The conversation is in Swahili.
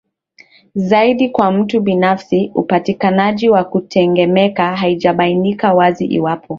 zaidi kwa mtu binafsi upatikanaji wa kutegemeka Haijabainika wazi iwapo